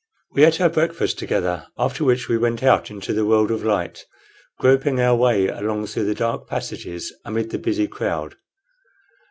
We ate our breakfast together, after which we went out into the world of light, groping our way along through the dark passages amid the busy crowd.